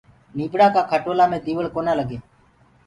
نيٚڀڙآ ڪآ کٽولآ مي ديوݪ ڪونآ لگي